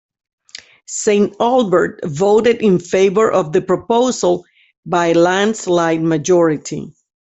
Saint Albert voted in favour of the proposal by a landslide majority.